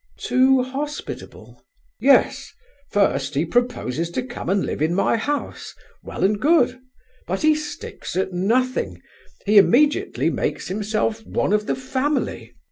"Too hospitable?" "Yes. First, he proposes to come and live in my house. Well and good; but he sticks at nothing; he immediately makes himself one of the family.